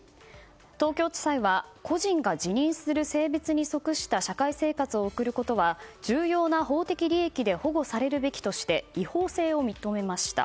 東京地裁は個人が自認する性別に即した社会生活を送ることは重要な法的利益で保護されるべきとして違法性を認めました。